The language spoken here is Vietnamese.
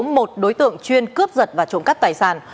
một đối tượng chuyên cướp giật và trộm cắp tài sản